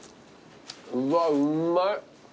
うわうまい。